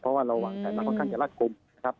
เพราะว่าเราวางแผนมาค่อนข้างจะรัดกลุ่มนะครับ